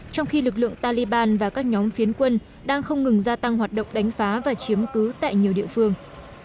trong khi lực lượng taliban và các nhóm phiến quân đang không ngừng gia tăng hoạt động đánh phá và chiếm cứ tại nhiều địa phương